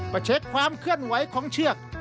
เช็คความเคลื่อนไหวของเชือก